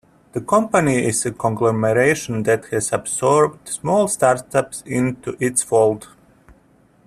The company is a conglomeration that has absorbed small startups into its fold.